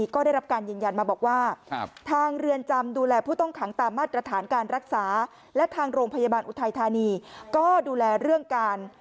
ก็ดูแลเรื่องการ